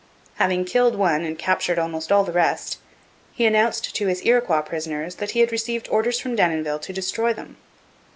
Having killed one and captured almost all the rest, he announced to his Iroquois prisoners that he had received orders from Denonville to destroy them.